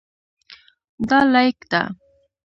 دا لاییک ده.